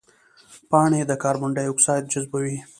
پاڼې د کاربن ډای اکساید جذبوي